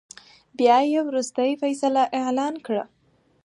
بيا يې ورورستۍ فيصله اعلان کړه .